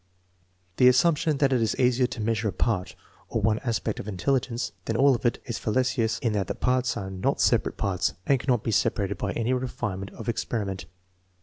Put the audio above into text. The assumption that it is easier to measure a part, or one aspect, of intelligence than all of it, is fallacious in that the parts are not separate parts and cannot be separated by any refinement of experiment.